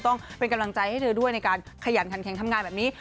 ต้องเป็นกำลังใจให้เธอด้วยในการขยันขันแข็งทำงานแบบนี้